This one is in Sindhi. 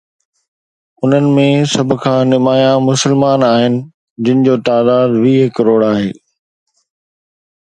انهن ۾ سڀ کان نمايان مسلمان آهن، جن جو تعداد ويهه ڪروڙ آهي.